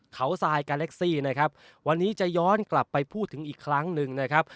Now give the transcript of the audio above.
เขาทรายกาเล็กซี่นะครับวันนี้จะย้อนกลับไปพูดถึงอีกครั้งหนึ่งนะครับ